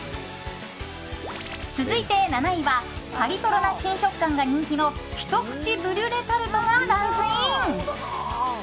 続いて７位はパリとろな新食感が人気のひと口ブリュレタルトがランクイン。